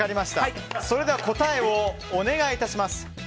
それでは答えをお願い致します。